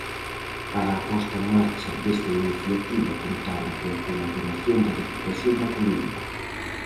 Para a posta en marcha desta iniciativa, contaron coa colaboración da Deputación da Coruña.